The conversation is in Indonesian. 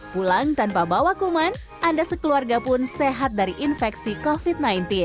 pulang tanpa bawa kuman anda sekeluarga pun sehat dari infeksi covid sembilan belas